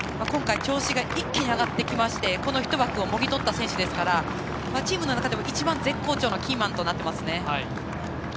今回、調子が一気に上がってきましてこの１枠をもぎ取った選手ですからチームの中でも一番、絶好調のキーマンとなっています。